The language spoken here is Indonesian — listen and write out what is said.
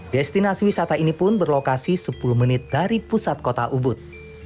destinasi wisata ini pun berlokasi sepuluh menit dari pusat kota ubud